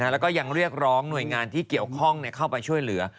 แล้วก็ยังเรียกร้องหน่วยงานที่เกี่ยวข้องเข้าไปช่วยเหลือ